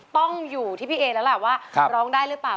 ต้องอยู่ที่พี่เอแล้วล่ะว่าร้องได้หรือเปล่า